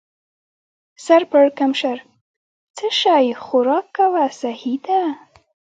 سر پړکمشر: څه شی؟ خوراک کوه، سهي ده.